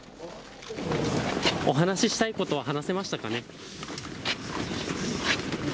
お話ししたいことは話せましたかね？